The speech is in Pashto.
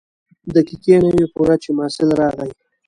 لس دقیقې نه وې پوره چې محصل راغی.